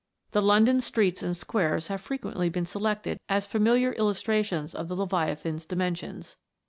The London streets and squares have frequently been selected as fami liar illustrations of the Leviathan's dimensions.